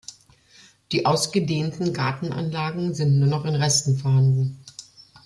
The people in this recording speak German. Die ausgedehnten Gartenanlagen sind nur noch in Resten vorhanden.